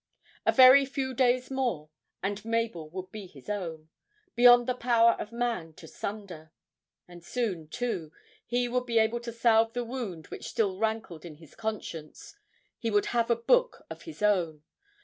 A very few days more and Mabel would be his own beyond the power of man to sunder! and soon, too, he would be able to salve the wound which still rankled in his conscience he would have a book of his own.